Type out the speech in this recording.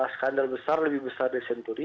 skandar besar lebih besar dari senturi